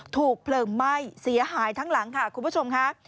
ถูกเพลิงไหม้เสียหายทั้งหลังค่ะคุณผู้ชมค่ะ